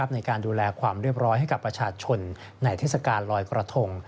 ในการดูแลความเรียบร้อยให้กับประชาชนในเทศกาลลอยกระทง